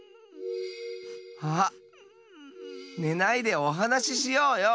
あっねないでおはなししようよ。